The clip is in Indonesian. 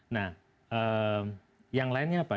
nah yang lainnya apa